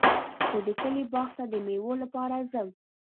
زه د کلي باغ ته د مېوو لپاره ځم.